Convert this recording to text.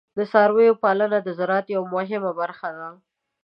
د څارویو پالنه د زراعت یوه مهمه برخه ده.